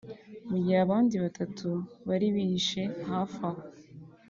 mu gihe abandi batatu bari bihishe hafi aho